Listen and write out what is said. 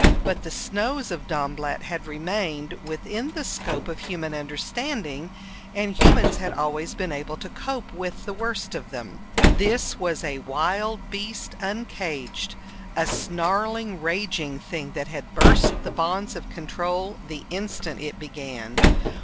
But the snows of Dornblatt had remained within the scope of human understanding, and humans had always been able to cope with the worst of them. This was a wild beast uncaged, a snarling, raging thing that had burst the bonds of control the instant it began.